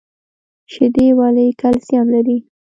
شیدې ولې کلسیم لري؟